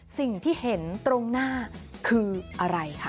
สิ่งที่เห็นตรงหน้าคืออะไรคะ